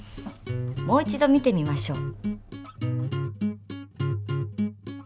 もう一度見てみましょう。